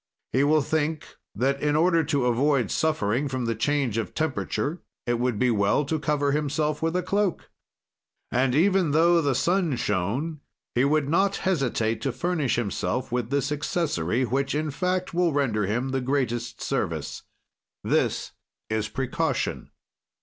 He will think that, in order to avoid suffering from the change of temperature, it would be well to cover himself with a cloak. "And, even tho the sun shone, he would not hesitate to furnish himself with this accessory, which in fact will render him the greatest service. "This is precaution.